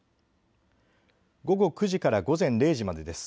午後９時から午前０時までです。